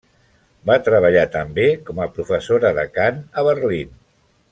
Va treballar també com a professora de cant a Berlín.